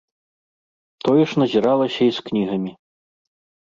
Тое ж назіралася і з кнігамі.